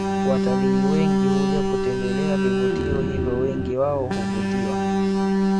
Watalii wengi huja kutembelea vivutio hivyo wengi wao huvutiwa